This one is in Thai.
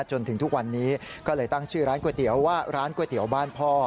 จนถึงทุกวันนี้ก็เลยตั้งชื่อร้านก๋วยเตี๋ยวว่าร้านก๋วยเตี๋ยวบ้านพ่อ